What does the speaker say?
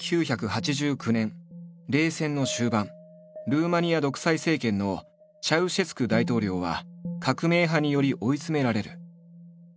ルーマニア独裁政権のチャウシェスク大統領は革命派により追い詰められる。